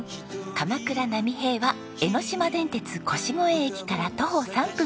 鎌倉波平は江ノ島電鉄腰越駅から徒歩３分。